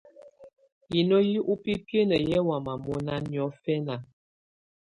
Hino hɛ̀ ùbibiǝ́nǝ́ hɛ̀ wamɛ̀á mɔnà niɔ̀fɛna.